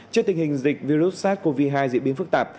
trước tình hình dịch virus sars cov hai diễn biến phức tạp